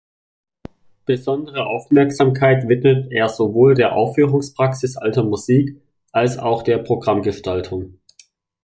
Besondere Aufmerksamkeit widmet er sowohl der Aufführungspraxis Alter Musik als auch der Programmgestaltung.